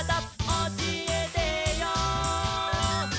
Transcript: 「おしえてよ」